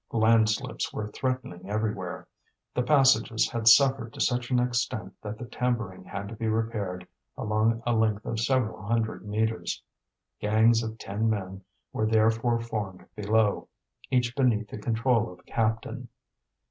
Landslips were threatening everywhere; the passages had suffered to such an extent that the timbering had to be repaired along a length of several hundred metres. Gangs of ten men were therefore formed below, each beneath the control of a captain.